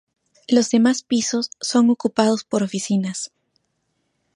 Los demás pisos son ocupados por oficinas.